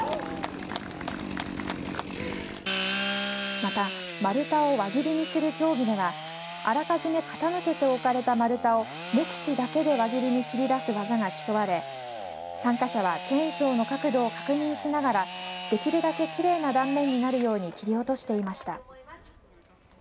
また丸太を輪切りにする競技ではあらかじめ傾けて置かれた丸太を目視だけで輪切りに切り出す技が競われ参加者はチェーンソーの角度を確認しながらできるだけきれいな断面になるように切り落としていました。